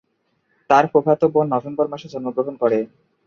তার ফুফাতো বোন নভেম্বর মাসে জন্মগ্রহণ করে।